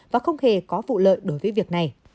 và không hề có vụ lợi đối với việc này